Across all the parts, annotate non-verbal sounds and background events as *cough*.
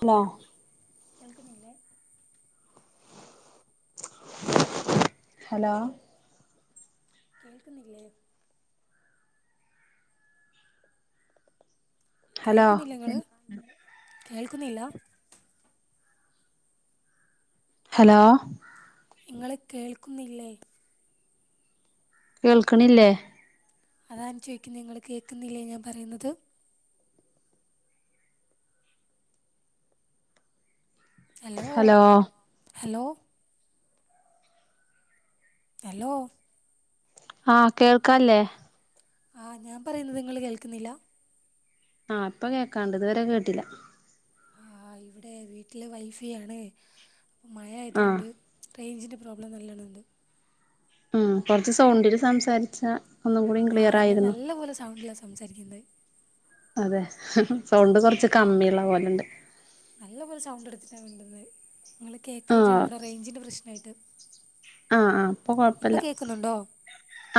Hello? കേൾക്കുന്നില്ലേ? Hello? Hello? കേൾക്കുന്നില്ലേ? Hello കേൾക്കുന്നില്ല ങ്ങള് കേൾക്കുന്നില്ല. ഹലോ? നിങ്ങള് കേൾക്കുന്നില്ലേ? കേൾക്ണില്ലേ? അതാണ് ചോദിക്കുന്നത് നിങ്ങൾ കേൾക്കുന്നില്ലേ ഞാൻ പറയുന്നത്. ഹലോ? ഹലോ? ഹലോ? ആഹ് കേൾക്കാല്ലേ? ആഹ് ഞാൻ പറയുന്നത് നിങ്ങള് കേൾക്കുന്നില്ല. ആഹ് ഇപ്പം കേൾക്കാണ്ട് ഇതുവരെ കേട്ടില്ല ആഹ് ഇവിടെ വീട്ടില് വൈഫയാണ് അപ്പൊ ആഹ് മഴായതൊണ്ട് റേഞ്ചിന്റെ പ്രോബ്ലം നല്ലണംണ്ട് ഉം കൊറച്ച് സൗണ്ടില് സംസാരിച്ചാ ആഹ് ഞാൻ നല്ല പോലെ സൗണ്ടിലാ സംസാരിക്കുന്നെത് അതെ സൗണ്ട് കുറച്ച് കമ്മിള്ള പോലെണ്ട് നല്ല പോലെ സൗണ്ട് എടുത്തിട്ടാ മിണ്ടുന്നത് ഇങ്ങള് ആഹ് കേൾക്കായിട്ടാണ് ഇവിടെ റേഞ്ചിന്റെ പ്രശ്നായിട്ട് ആഹ് ആ ഇപ്പൊ കൊഴപ്പല്ല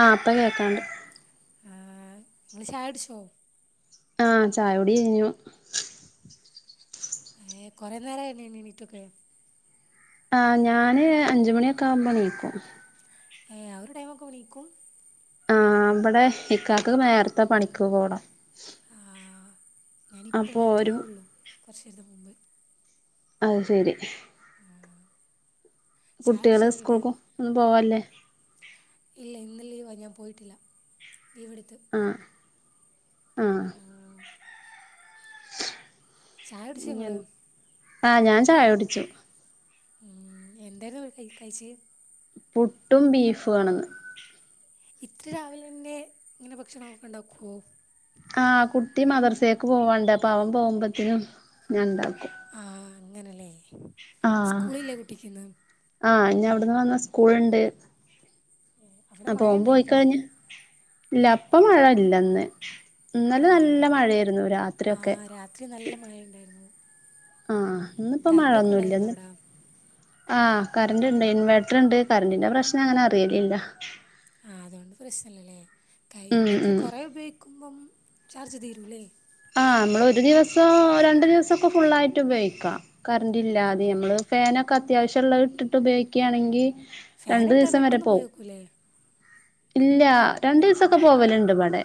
ആഹ് ഇപ്പൊ കേക്കാണ്ട് ആഹ് ഇങ്ങള് ചായുടിച്ചോ ആഹ് ചായുടി കയ്ഞ്ഞു ഏഹ് കൊറെ നേരായിനീ എണീട്ടൊക്കെ ആഹ് ഞാന് അഞ്ചുമണിയൊക്കെ ആവുമ്പോണീക്കും ഏഹ് ആ ഒരു ടൈമൊക്കാമ്പൊ ണീക്കും ആഹ് ഇവിടെ ഇക്കാക്ക് നേരത്തെ പണിക്ക് പോണം ആഹ് ഞാനിപ്പ അപ്പൊ ഒരു എണീറ്റതാ ഉള്ളൂ കുറച്ച് നേരത്തെ മുമ്പ് അത് ശരി ഉം കുട്ട്യാള് സ്കൂൾക്ക് ഒന്നു പോവാൻല്ലേ ഇല്ല ഇന്ന് ലീവ ഞാൻ പോയിട്ടില്ല ലീവെടുത്ത് അഹ് ആഹ് ചായ കുടിച്ചോ നിങ്ങൾ ആഹ് ഞാൻ ചായുടിച്ചു ഉം എന്തേര്ന്നു കഴിച്ചെ പുട്ടും ബീഫുവാണിന്ന് ഇത്ര രാവിലെന്നെ ഇങ്ങനെ ഭക്ഷണം ഒക്കെ ഇണ്ടാക്കുവോ ആ കുട്ടി മദർസേക്ക് പോവാണ്ട് അപ്പൊ അവൻ പോവുമ്പോത്തിനും ഞാൻ ഇണ്ടാക്കും ആഹ് അങ്ങനെലേ ആഹ് ആഹ് ഇനി അവിടുന്ന് വന്നാ സ്കൂൾ ഇണ്ട് അവിടെ അപ്പൊ മഴ ഓന് ഉണ്ടോ ഇപ്പോൾ പോയിക്കഴിഞ്ഞ ഇല്ല അപ്പ മഴല്ലന്ന് ഇന്നല നല്ല മഴയായിരുന്നു ആ രാത്രിയൊക്കെ രാത്രി നല്ല മഴയുണ്ടായിരുന്നു ആഹ് ഇന്നിപ്പോ മഴൊന്നുല്ല ഇന്ന് ആഹ് കറണ്ട് ഇണ്ട് ഇൻവേട്ടർണ്ട് കറന്റിന്റെ പ്രശ്നം അങ്ങനെ അറിയലില്ല ആഹ് അതോണ്ട് പ്രശ്നല്ലല്ലേ കൈ ഉം ഇൻവേർട്ടർ ഉം കൊറേ ഉപയോഗിക്കുമ്പം ചാർജ് തീരൂലേ ആഹ് ഇമ്മൾ ഒരു ദിവസൊ രണ്ടു ദിവസൊക്കെ ഫുുള്ളായിട്ട് ഉപയോഗിക്കാം ആ കറന്റില്ലാതേം നമ്മള് ഫാനൊക്കെ അത്യാവശ്യള്ള ഇട്ടിട്ട് ഉപയോഗിക്കയാണെങ്കി രണ്ട് ഫാനിട്ടാൽ ദീസം വരെ പെട്ടെന്ന് പോവും പോയേക്കൂലേ ഇല്ല രണ്ടീസൊക്കെ പോവലുണ്ട് ഇബടെ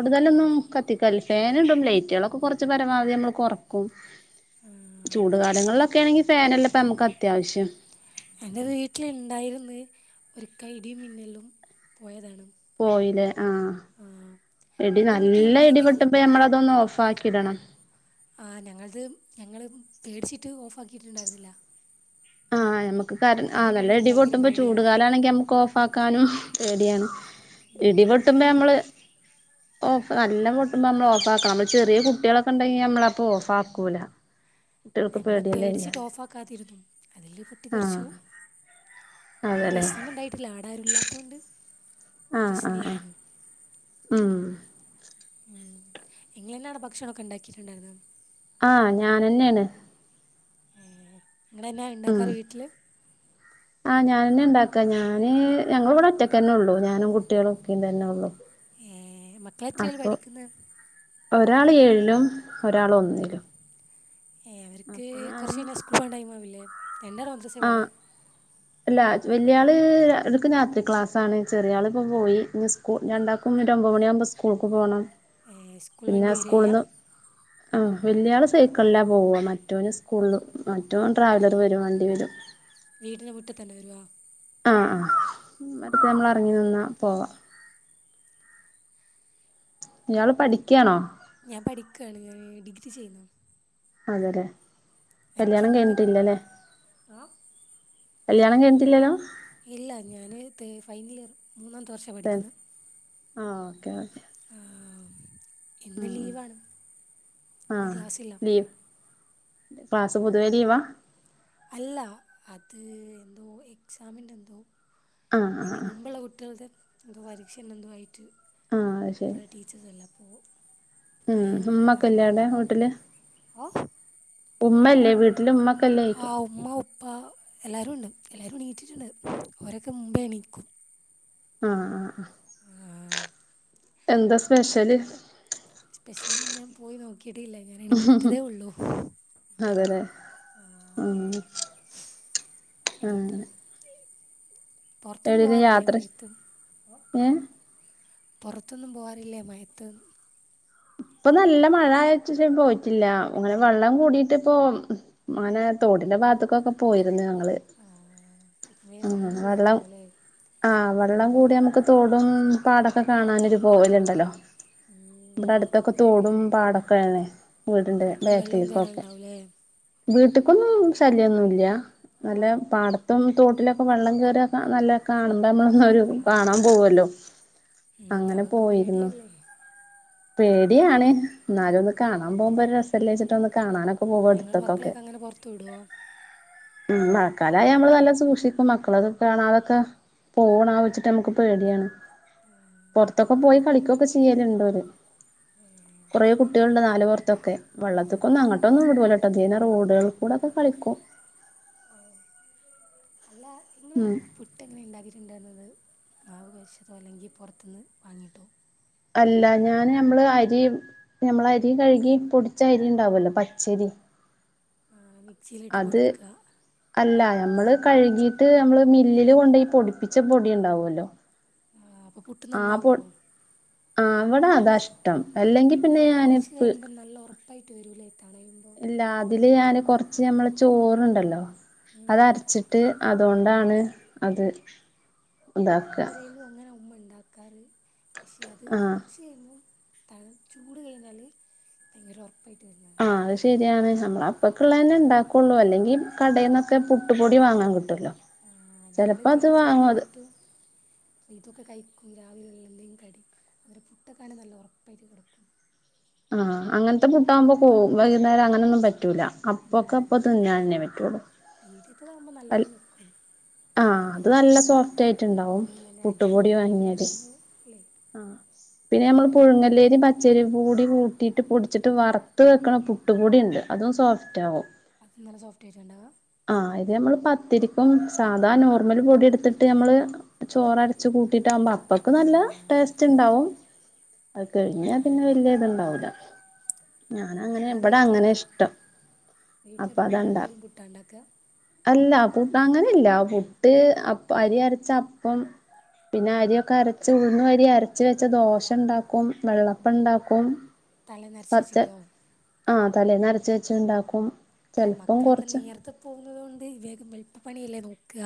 ഏ കത്തിക്കൽല ഫാ നിടും ലെയ്റ്റുകളൊക്കെ കൊർച്ച് പരമാവധി നമ്മൾ കൊറക്കും ആ ചൂട്കാലങ്ങളിലൊക്കെ ആണെങ്കിൽ ഫാനല്ലെ ഇപ്പ നമ്മക്ക് അത്യാവശ്യം എന്റെ വീട്ടില്ണ്ടായിര്ന്ന് ഒരിക്ക ഇടിയും മിന്നൽലും പോയതാണ് പോയിലെ ആഹ് ആ ഇടി എൻ്റെ നല്ല ഇടി വീട്ടിലുണ്ടെങ്കിലും വെട്ട്മ്പ ഞമ്മളതൊന്ന് ഓഫ് ആക്കി ഇടണം ആഹ് ഞങ്ങൾത് ഞങ്ങൾ പേടിച്ചിട്ട് ഓഫ് ആക്കിയിട്ടുണ്ടായിരുന്നില്ല ആഹ് ഞമ്മക്ക് കരന്റ് ആ ഇടിയും നല്ല മിന്നലും ഇടി ഭയങ്കര പൊട്ടുമ്പോ പേടിയാണ് ചൂടുകാലാണെങ്കി നമ്മക്ക് ഓഫ് ആക്കാനും പേടിയാണ് ഇടിപൊട്ടുമ്പോ ഞമ്മള് ഓഫ് നല്ലം പൊട്ടുമ്പോ അമ്മള് ഓഫാക്കണം നമ്മൾ ചെറിയ കുട്ട്യാളൊക്കെ ഇണ്ടെങ്കിൽ നമ്മളപ്പൊ ഓഫ് ആക്കൂല കുട്ടികൾക്ക് ഞങ്ങള് പേടിയല്ലേ പേടിച്ചിട്ട് ഇല്ലാതെ ഓഫ് ആക്കാതിരുന്നു അതില് പൊട്ടി ആഹ് തെറിച്ചു വലിയ അതെല്ലേ പ്രശ്നൊന്നും ഉണ്ടായിട്ടില്ല ആടാരുല്ലാതോണ്ട് ആഹ് ആഹ് ആഹ് പ്രശ്നല്ലായിരുന്നു ഉം ഉം ഇങ്ങളെന്നാട ഭക്ഷണം ഒക്കെ ഇണ്ടാക്കിട്ടുണ്ടായിരുന്നെ ആഹ് ഞാനന്നെയാണ് ഏഹ് ഇങ്ങളന്നാ ഇണ്ടാക്കാറ് വീട്ടില്? ആഹ് ഞനന്നെ ഉണ്ടാക്കാ ഞാന് ഞങ്ങളിവിടെ ഒറ്റക്കെന്നെള്ളൂ ഞാനും കുട്ടികളു ഉപ്പേം തന്നെ ഉള്ളു ഏഹ് മക്കളെത്രേല് അപ്പൊ പഠിക്കുന്ന്? ഒരാള് ഏഴിലും ഒരാള് ഒന്നിലും ഏഹ് അവർക്ക് അപ്പൊ ഞാന് കൊറച്ചയ്ഞ്ഞാ സ്കൂൾ പോവാൻ ടൈം ആവില്ലേ എന്റെ ആഹ് അല്ല വല്യാള് എടുക് രാത്രി ക്ലാസ് ആണ് ചെറിയ ആളിപ്പൊ പോയി ഇന്ന് സ്‌കൂ രണ്ടാക്കും ഒരു ഒമ്പമണിയാവുമ്പൊ സ്കൂൾക്ക് പോണം സ്കൂൾ പിന്നെ വണ്ടി വരികയാ സ്കൂള്ന്ന് വല്യാള് സൈക്കളിലാ പോവ മറ്റോന് സ്കൂളും മറ്റോൻ ട്രാവലറ് വെരും വണ്ടിവരും. വീട്ടിന് മുറ്റതന്നെ വരുവോ ആഹ് ആഹ് അത്പ്പൊ നമ്മള് എറങ്ങി നിന്നാ പോവാ ഇയാള് പഠിക്ക്യാണോ ഞാൻ പഠിക്കാണ് ഡിഗ്രിചെയ്യുന്നു അതെലെ എനിക്ക് കല്യാണം ഇന്ന് കഴിഞ്ഞിട്ടില്ലലെ ആ കല്യാണം കഴിഞ്ഞിട്ടില്ലലൊ ഇല്ല ഞാന് തേ ഫൈനലിയർ മൂന്നാമത്തെ വർഷം ആഹ് ഓക്കെ ഓക്കെ ആഹ് ആഹ് ആഹ് ഇന്ന് ആഹ് ക്ലാസ്സില്ല ലീവ് ക്ലാസ് പൊതുവേ ലീവാ അല്ല അത് എന്തോ എക്സാമിൻ്റെ എന്തോ ആഹ് ഞങ്ങള് ആഹ് മുമ്പുള്ള കുട്ട്യോൾടെ എന്തോ പരീക്ഷന്നെ എന്തോ ആയിട്ട് ആഹ് അത് അവിടെ ടീ ച്ചേഴ്സ് എല്ലാം അപ്പോ ആഹ് ഹുമ്മക്കെല്ല്യ വീട്ടില് ആഹ് ഉമ്മല്ലേ ഉമ്മല്ല്യ വീട്ടില് ഉമ്മക്കല്ലേക്കും ആഹ് ഉമ്മാ ഉപ്പ എല്ലാരുണ്ട് എല്ലാരുംണീറ്റിട്ടുണ്ട് ഓരൊക്കെ മുമ്പേ എണീക്കും ആഹ് ആഹ് ആഹ് ആഹ് എന്താ സ്പെഷ്യല് സ്പെഷ്യലൊന്നും ഞാൻ പോയിനോക്കിട്ടിയില്ലേ ഞാനെണീറ്റതെ ഒള്ളു അതെലെ ഉം ആഹ് അങ്ങനെ പൊറത്തൊന്നും എവിടേലും പോവാറില്ലേ യാത്ര മഴയത്തും ഓഹ് ഏഹ് പൊറത്തൊന്നും പോവാറില്ലേ മഴയത്ത്. ഇപ്പൊ നല്ല മഴ ആയേച്ചേഷം പോയിട്ടില്ല അങ്ങനെ വെള്ളം കൂടിട്ടിപ്പോ മഴേ തോട്ടിന്റെ ഭാഗത്തേക്കൊക്കെ പോയിരുന്നു ഞങ്ങള് ഇപ്പേ ആഹ് വെള്ളം കൂടുതലുണ്ടാവൂലേ ആഹ് വെള്ളം വീട് കൂട്യാമ്മക്ക് തോടും പാടൊക്കെ കാണാനൊരു പോവലുണ്ടല്ലോ ഉം ഇബ്ടെ അടുത്തൊക്കെ തോടും പാടൊക്കെയാണ് വീടിന്റെ പെട്ടെന്ന് വെള്ളവും ബേക്കിൽക്കൊക്കെ കേറലുണ്ടാവൂലേ വീട്ട്ക്കൊന്നും ശല്യൊന്നുല്ല നല്ല ആഹ് പാട ത്തും തോട്ടിലൊക്കെ വെള്ളംകേറിയാ കാണാ നല്ലെ ക്കാണും നമ്മൾന്നൊരു ആഹ് കാണാൻ പോവല്ലോ ഉം അങ്ങനെ അതൊക്കെ പോയിരുന്നു പേടിയല്ലേ പേടിയാണ് എന്നാലുംഒന്ന് കാണാൻ പോവുമ്പൊരു രസല്ലെച്ചിട്ട് ഒന്ന് കാണാനൊ ഇങ്ങള് മക്കളെയൊക്കങ്ങനെ പൊറത്ത് വിടോ ഉം മഴക്കാലായ അമ്മള്നല്ല സൂക്ഷിക്കും മക്കളതൊക്കെ കാണാതൊക്കാ പോണാവെച്ചിട്ട് മ്മക്ക് പേട്യയാണ് ആഹ് പൊറത്തൊക്കെ പോയി കളിക്കൊക്കെ ചെയ്യല്ണ്ടോര് ഏഹ് കൊറേ കുട്ട്യേൾണ്ട് നാല് പൊർത്തൊക്കെ വെള്ളത്ത്ക്കൊന്ന അങ്ങട്ടൊന്നു അങ്ങനെ വിടൂലട്ടൊ ഇതിയേനെ റോഡ് കളിൽ കൂടെക്കെ കളിക്കും ഔ അല്ലാ ഇൻ ഉം പുട്ട്എങ്ങനെ ണ്ടാക്കിട്ട്ണ്ടേർന്നത് മാവ്കൊയച്ചതോ അല്ലെങ്കി പൊറത്ത്ന്ന് വാങ്ങിയിട്ടോ അല്ല ഞാന് നമ്മള് അരി നമ്മളരികഴ്കി പൊടിച്ച അരിണ്ടാവല്ലോ പച്ചരി *unintelligible* അത് പൊടിക്കുക അല്ല നമ്മള് കഴുകിട്ട് നമ്മള് മില്ലില് കൊണ്ടോയി പൊടിപ്പിച്ച പൊടി ഉണ്ടാവല്ലോ ആ അപ്പോൾ പുട്ട് ആ പോ നന്നാവുമോ ആ അവടെ അതാഷ്ടം അല്ലെങ്കി എ പിന്നെ ല്ല ഞാന് കുറച്ച് പ്പ് കഴിയുമ്പോ നല്ല ഉറപ്പായിട്ട് വരൂല്ലേ തണയുമ്പോ ല്ല അതില് ഞാന് കൊറച്ച് ഞമ്മള് ചോറണ്ടല്ലോ അത് ഉം അരച്ചി ട്ട് അതോണ്ടാണ് അത് ന്റെ ഇതാക്ക പുരയിലും അങ്ങനെ ഉമ്മ ണ്ടാക്കാറ് പക്ഷെ അത് ആഹ് കൊറച്ച് *unintelligible* ത ചൂട് കഴിഞ്ഞാല് ഭയങ്കര ഉറപ്പായിട്ട് വരുന്നകാണാ ആഹ് അത് ശരിയാണ് നമ്മള അപ്പൊക് ഉള്ളന്നെ ഉണ്ടാക്കുള്ളൂ അല്ലെങ്കിൽ കടേല് ന്നൊക്കെ പുട്ടുപൊടി വാങ്ങാൻ കിട്ടുവല്ലോ ആ ഞങ്ങള് ചെലപ്പോ അത് ക്ലാസ്സ് ഇട്ട് വാങ്ങും അത് വന്നിട്ടും ഇതൊക്കെ കഴിക്കും രാവിലെല്ലെ എന്തെങ്കിലും കടി അതെ പുട്ടൊക്കെ ആണ നല്ല ഉറപ്പായിട്ട് കെടക്കും ആഹ് അങ്ങനത്തെ പുട്ടാവുമ്പോ പോവും വൈകുന്നേരം അങ്ങനെന്നും പറ്റൂല അപ്പോക്കെ അപ്പോ തിന്നാൻ ന്നെ പറ്റൊള്ളൂ പീടിയത്തതാവുമ്പോ നല്ലോണ്ണം നിക്കും ആഅത് നല്ല സോഫ്റ്റ് ആയിട്ടുണ്ടാവും അങ്ങനെ അജ്ബി പുട്ടുപൊടി വിട്ട വാങ്ങിയാല് അങ്ങനെയൊക്കെ ഒന്ന് ഇല്ലേ *inaudible* പിന്നെ നമ്മൾ പുഴുങ്ങല്ലേരി പച്ചരി കൂടി കൂട്ടിയിട്ട് പൊടിച്ചിട്ട് വറുത്ത് വെക്കണംപുട്ട് പുട്ട് പൊടിണ്ട് അതും സോഫ്റ്റ് ആകും അത് നല്ല സോഫ്റ്റായിട്ടുണ്ടാവുക ആഹ ഇത് നമ്മള് പത്തിരിക്കുംസ് സാധാ നോർമൽ പൊടി എടുത്തിട്ട് നമ്മള് ചോറരച്ചു കൂട്ടിട്ടാകുമ്പോ അപ്പക്ക് ആ നല്ല ടേസ്റ്റ് ണ്ടാവും അത് കഴിഞാൽ അങ്ങനെ പിന്നെ വല്യ തുണ്ടാവൂല ഞാന അങ്ങനെ ഞങ്ങൾ ബഡെ അങ്ങനെ വീട്ടിലെപ്പ ഇഷ്ടം അപ്പൊ വീട്ടിലെപ്പോഴും അതണ്ടാകീ കൂടുതലും പുട്ടാണ്ടാക്കുക അല്ല പുട്ട് അങ്ങനില്ല പുട്ട് അപ്പ അരി അരച്ച അപ്പം പിന്നെ അരിയൊക്കെ അരച്ച് ഉഴുന്ന് അരി അരച്ച വെച്ച ദോശണ്ടാക്കും വെള്ളപ്പ ണ്ടാക്കും തലെ നരച്ചിവെച്ചിട്ടോ ആ തലെന്നരച്ച് വെച്ണ്ടാക്കും അല്ല മക്കളൊക്കെ നേർത്ത് പോകുന്നത തൊണ്ട് വേഗം എളുപ്പ പണിയല്ലേ നോക്ക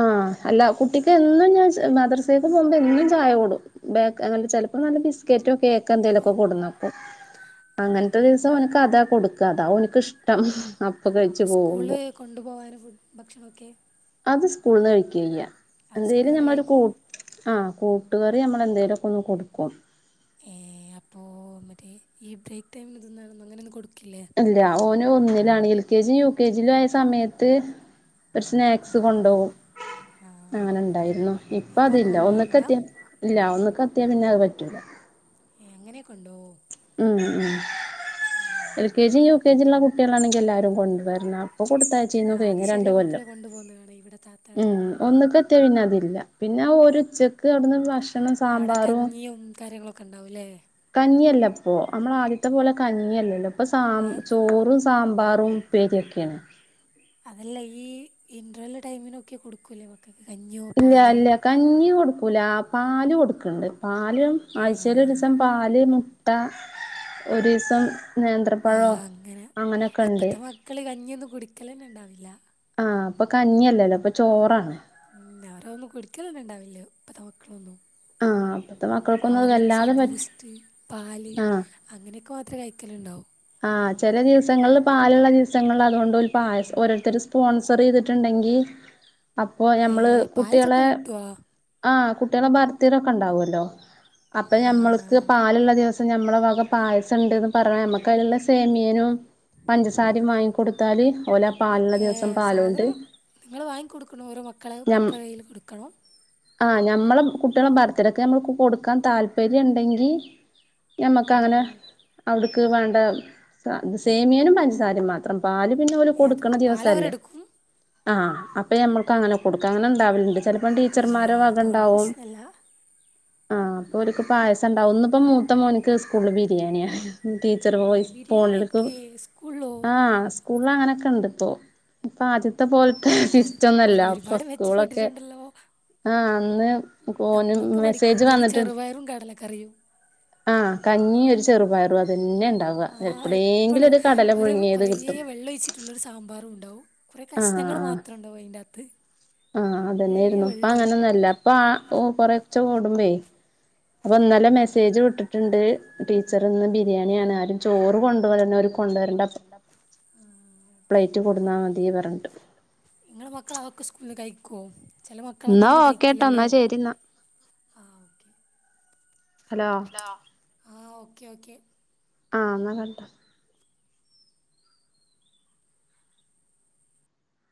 ആഅല്ല കുട്ടിക്ക് എന്നും ഞാൻ മദ്രസേക്ക് പോകുമ്പോ എന്നും ചായ കൊടുക്കും ബക്ക് അങ്ങനെ ചെലപ്പോ നല്ല ബിസ്കറ്റോ കേക്കോ എന്തേലുമൊക്കെ കൊടുന്നക്കും ആ അങ്ങനത്തെ ദിവസം എനക്ക് അതാ കൊടുക്ക അതാ ഒന് ക്കിഷ്ടം അപ്പ കഴിച്ചു പോകുമ്പോ കൊണ്ടു പോകാൻ ഫുഡ് ഭക്ഷണോക്കെ അത് സ്കൂളിൽന്ന് കഴിക്കില്യ അവർ സ്കൂളിൽ എന്തേലും നിന്ന് തന്നെ ഞമ്മൊരു കൂ കഴിക്കും ആകൂട്ടുകറി നമ്മള എന്തേലുക്കെ ഒന്ന് കൊടുക്കും ഏ അപ്പൊ മറ്റേ ഈ ബ്രേക്ക് ടൈമന് തിന്നാണെന്നും അങ്ങനെയൊന്നും കൊടുക്കില്ലേ ഇല്ല ഓന് ഒന്നിലാണ് എൽ കെ ജിയും യു കെ ജിയിലും ആയ സമയത്ത് ഒരു സ്നാക്സ് ഉം. കൊണ്ടാവും ആ അങ്ങനെ ഉണ്ടായിരുന്നു ഇപ്പൊ ഇപ്പോൾ ഒന്നും അതില്ല ഒന്നിൽ ക്കെ കൊണ്ടുപോകില്ല എത്തി ഇല്ല ഒന്ന് കത്തിയാ പിന്നെ അത് പറ്റൂല ഏങ്ങനെയൊക്കെണ്ടോ ഉം ഉം ൽ *unintelligible* L K G U K G ള്ള കുട്ടികളാണെങ്കിൽ എല്ലാരും കൊണ്ടുവരണം ന്ന അപ്പ കൊടുത്തയാച്ചി ചിനു ആ അത് കെയിഞ്ഞു രണ്ട് ചെറിയ മക്കൾ കൊല്ലം കൊണ്ടുപോകുന്നതാണ് ഇവിടെ താത്തയുടെ ഉം മക്കളൊക്കെ ഒന്നികെ പിന്നെ അതില്ല പിന്നെ ഒരു ഉച്ചയ്ക്ക് അവിടുന്ന് ഭക്ഷണം അവിടെ സാമ്പാറും കഞ്ഞിയും കാര്യങ്ങളൊക്കെ ഉണ്ടാവുംല്ലേ കഞ്ഞിയല്ല പ്പൊ നമ്മള ആദ്യത്തെ പോലെ കഞ്ഞിയല്ലല്ലോ പ്പൊ സാമ്പ ഏ ചോറും സാമ്പാറും ഉപ്പേരിക്കെണ് അതല്ല ഈ ഇൻഡ്രബൽ ടൈമിനൊക്കെ കൊടുക്കൂല്ലേ കഞ്ഞിയോ ഇല്ല പാലോ ഇല്ല കഞ്ഞി കൊടുക്കൂല പാല് കൊടുക്കണ്ട് പാലും ആ ആഴ്ചെല് ഒരീസ് സം പാല് മുട്ട ഒരീസം ആ നേന്ത്രപ്പഴോ അങ്ങനെ അങ്ങനെക്കെണ്ട് ഇപ്പത്തെ മക്കള് കഞ്ഞിന്നും കുടിക്കലന്നെ ഉണ്ടാവില്ല ആ പ്പൊ കഞ്ഞില്ലല്ലോ പ്പൊ ചോറാണ് ഉം അവരൊന്നും കുടിക്കലൊന്നും ണ്ടാവില്ല ഇപ്പത്തെ മക്കളൊന്നും ആ അപ്പത്തെ മക്കൾക്കൊന്നും അത് ഹോർലിക്സ് വല്ലാതെ പ ബൂസ്റ്റ് പാല് ആ അങ്ങനെയൊക്കെ മാത്രം കഴിക്കല ഉണ്ടാവും ആഹ ചില ദിവസങ്ങളിൽ പാലുള്ള ദിവസങ്ങളിൽ അതുകൊണ്ട് ഒരു പായസം ഓരോരുത്തർ സ്പോൺസർ ചെയ്തിട്ടുണ്ടെങ്കി അപ്പോ ഏ പായസൊക്കെ കിട്ടോ? ആ കുട്ടികളെ ബർത്ത് ഡേ ഒക്കെ ഉണ്ടാവല്ലോ അപ്പൊ ആ ഞമ്മൾക്ക് പാല്ള്ള ദിവസം നമ്മള വക പായസണ്ട്ന്ന് പറ നമ്മക്ക് അതിനുള്ള സെമിയനും പഞ്ചസാരയും വാങ്ങികൊടു ത്താല് ഓല ഏ സാധനം നിങ്ങൾ വാങ്ങി കൊടുക്കണ ഓരോ മക്കളെ മക്കൾ കയ്യിൽ കൊടുക്കണോ ആ ഞമ്മളെ കുട്ടിളെ ബർത്ത്ഡേക്ക് ഞമ്മക്ക് കൊടുക്കാൻ താല്പര്യണ്ടെങ്കി ഞമ്മക്ക് അങ്ങനെ അവിടുക്ക് വേണ്ട സേമിയനും പഞ്ചസാരയും മാത്രം പാല് പിന്നെ ഓല് ഏ അത് കൊട്ക്ക്ണ ദിവസല്ലേ പാലവരെടുക്കും ആ അപ്പ ഞമ്മൾക്ക് അങ്ങനെ കൊടുക്ക അങ്ങനെണ്ടാവലുണ്ട് ചെലപ്പം ആഹ് അതുകൊണ്ട് ടീച്ചർമാരെവകണ്ടാവും പ്രശ്നല്ല ആ അപ്പൊ ഓര്ക്ക് പായസണ്ടാവും ഇന്നിപ്പോ മൂത്ത മോനിക്ക് സ്കൂള് ബിരിയാണിയ ചെറ് ഏഹ് വോയിസ് ഫോണിക്ക് ബിരിയാണിയൊക്കെ സ്കൂളിലോ ആ സ്കൂള അങ്ങനൊക്കെ ഇണ്ട് ഇപ്പോ ഇപ്പൊ ആദ്യത്തെ പോലെ അത് സിസ്‌റ്റൊന്നല്ല കൊറെ പ്പൊ ഒരുപാട് സ്കൂളൊക്കെ മെച്ചപ്പെട്ടിട്ടുണ്ടല്ലോ ആ അന്ന് ഓന് നമ്മളൊക്കെ മെസ്സേജ് പഠിക്കുമ്പോ ഒരു വന്നിട്ട്ണ്ട് ചെറുപയറും കടലക്കറിയും ആ കഞ്ഞി ഒരു ചെറുപയറും അതന്നെണ്ടാവ ആഹ് എപ്പളും എപ്പ്ളേങ്കിലൊര് കടല പുഴുങ്ങിയത് കിട്ടും ട്ടുള്ളരു സാമ്പാറുംണ്ടാവും കുറേ കശ്ണങ്ങൾ മാത്രം ണ്ടാവും അയ്ന്റെകത്ത് ആ അതന്നെയിരുന്നു പ്പഅങ്ങനെന്നുംല്ല പ്പൊ ആ കൊറെച്ച ഓടുമ്പേയ് അപ്പൊന്നലെ മെസ്സേജ് വിട്ടിട്ടുണ്ട് ടീച്ചർ ഇന്ന് ബിരിയാണി ആണ് ആരും ചോറ് കൊണ്ടപോരനോര് കൊണ്ട് വരേണ്ട ടപ്പ് ആ പ്ലൈറ്റ് കൊട്ന്നാ മതി പറഞ്ഞിട്ട് നിങ്ങളെ മക്കൾ അതൊക്കെ സ്കൂളന്ന് കഴിക്കുവോ ചില മക്കള എന്നാ അങ്ങനെയൊന്നും ഓക്കേട്ടോ കഴിക്കില്ലല്ലോ എന്നാ ശരി എന്നാ ആഹ് ഹലോ ആ ഓക്കെ ഓക്കെ ആന്നാ കട്ടാക്